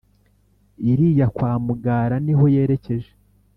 Iriya kwa Mugara niho yerekeje